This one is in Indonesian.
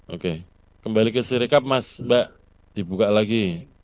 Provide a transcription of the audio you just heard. oke kembali ke sirikap mas mbak dibuka lagi